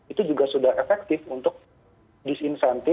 itu juga sudah efektif untuk disinsentif